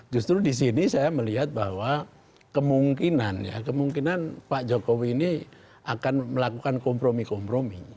justru di sini saya melihat bahwa kemungkinan ya kemungkinan pak jokowi ini akan melakukan kompromi kompromi